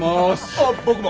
ああ僕も！